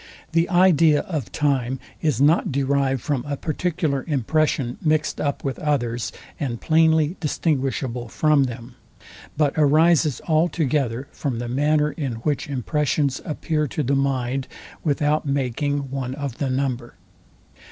The idea of time is not derived from a particular impression mixed up with others, and plainly distinguishable from them; but arises altogether from the manner, in which impressions appear to the mind, without making one of the number.